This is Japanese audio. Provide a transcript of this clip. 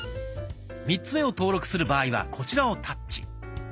３つ目を登録する場合はこちらをタッチ。